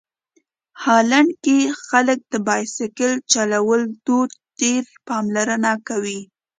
هالنډ کې خلک د بایسکل چلولو دود ډېره پاملرنه کوي.